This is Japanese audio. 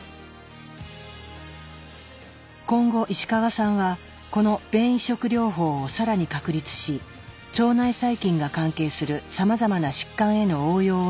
今後石川さんはこの便移植療法を更に確立し腸内細菌が関係するさまざまな疾患への応用を目指している。